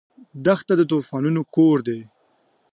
دښته د طوفانونو کور دی.